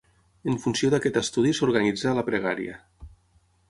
En funció d'aquest estudi s'organitza la pregària.